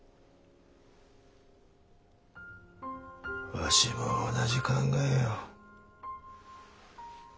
わしも同じ考えよ。